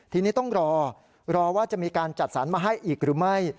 ทีนี้ต้องรอรอว่าจะมีการจัดสรรมาให้อีกหรือไม่